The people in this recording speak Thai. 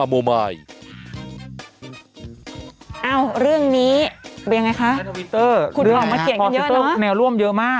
โดนเยอะ